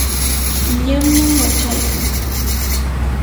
llamam wachaykan.